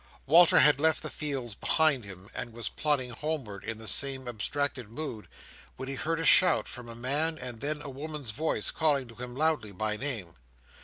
Walter had left the fields behind him, and was plodding homeward in the same abstracted mood, when he heard a shout from a man, and then a woman's voice calling to him loudly by name.